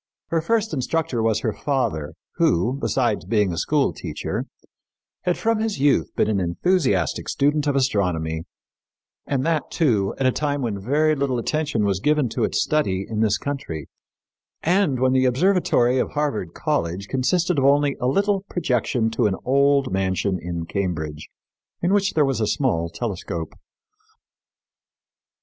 Her first instructor was her father, who, besides being a school teacher, had from his youth been an enthusiastic student of astronomy, and that, too, at a time when very little attention was given to its study in this country, and when the observatory of Harvard College consisted of only a little projection to an old mansion in Cambridge, in which there was a small telescope.